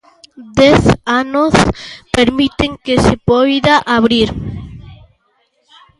Dez anos permiten que se poida abrir.